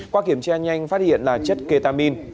qua kiểm tra nhanh phát hiện là chất ketamin